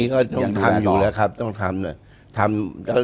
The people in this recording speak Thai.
ต้องทำอยู่แล้วครับ